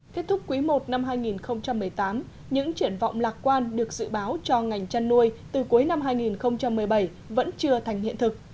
kết thúc quý i năm hai nghìn một mươi tám những triển vọng lạc quan được dự báo cho ngành chăn nuôi từ cuối năm hai nghìn một mươi bảy vẫn chưa thành hiện thực